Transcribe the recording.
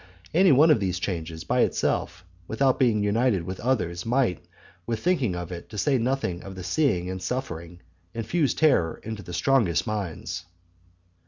Any one of such changes, by itself, without being united with others, might, with thinking of it, to say nothing of the seeing and suffering, infuse terror into the strongest minds.